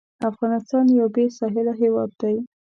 افغانستان یو بېساحله هېواد دی.